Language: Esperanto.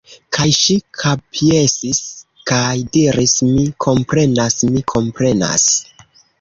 Kaj ŝi kapjesis kaj diris: Mi komprenas mi komprenas.